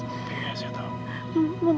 iya sih dong